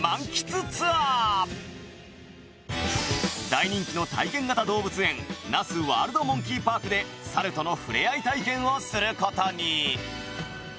大人気の体験型動物園、那須ワールドモンキーパークでサルとの触れ合い体験をすることに。